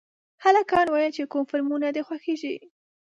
هلکانو ویل چې کوم فلمونه دي خوښېږي